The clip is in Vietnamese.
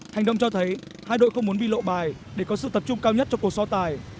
hành động cho thấy hai đội không muốn bị lộ bài để có sự tập trung cao nhất cho cuộc so tài